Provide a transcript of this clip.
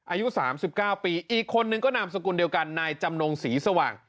อายุ๓๙ปีอีกคนนึงก็นามสกุลเดียวกันนายจำนงศรีสว่าง